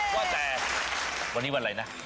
เว่าแต่วันที่วันไหนนะ